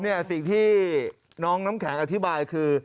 อีกที่น้องน้ำแขกอธิบายคือ